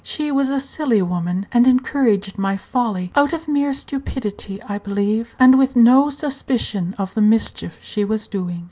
She was a silly woman, and encouraged my folly; out of mere stupidity, I believe, and with no suspicion of the mischief she was doing.